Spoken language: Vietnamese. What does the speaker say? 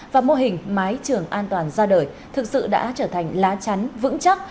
và mô hình mái trường an toàn ra đời thực sự đã trở thành lá chắn vững chắc